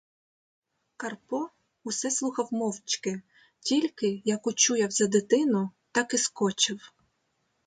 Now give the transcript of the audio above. Карпо усе слухав мовчки, тільки, як учув за дитину, — так і скочив.